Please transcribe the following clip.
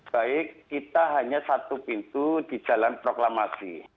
baik kita hanya satu pintu di jalan proklamasi